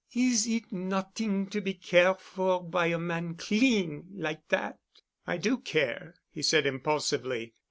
Is it not'ing to be care' for by a man clean like dat?" "I do care," he said impulsively.